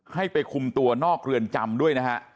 ให้ไปคุมตัวนอกเรือนจำด้วยนะฮะ